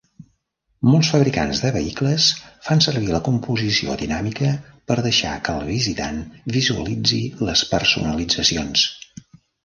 Molts fabricants de vehicles fan servir la composició dinàmica per deixar que el visitant visualitzi les personalitzacions.